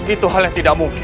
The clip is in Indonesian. itu hal yang tidak mungkin